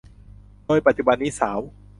โดยปัจจุบันนี้สาว